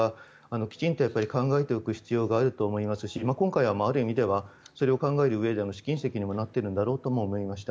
きちんと考えておく必要があると思いますし今回はある意味ではそれを考えるうえでの試金石にもなっているんだろうと思いました。